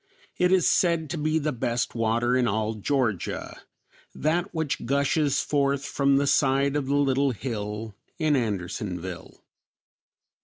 It is said to be the best water in all Georgia; that which gushes forth from the side of the little hill in Andersonville."